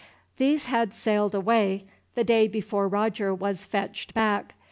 These had sailed away, the day before Roger was fetched back.